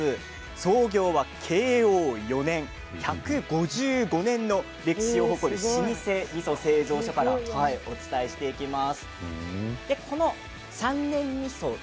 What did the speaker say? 創業は慶應４年１５５年の歴史を誇る老舗みそ製造所からお伝えしていきます。